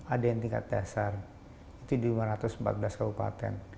ada yang tingkat dasar itu di lima ratus empat belas kabupaten